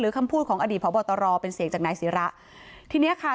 คำพูดของอดีตพบตรเป็นเสียงจากนายศิระทีเนี้ยค่ะ